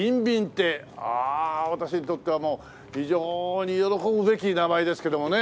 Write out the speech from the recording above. ああ私にとってはもう非常に喜ぶべき名前ですけどもね。